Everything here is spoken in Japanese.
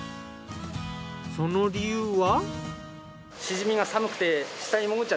その理由は？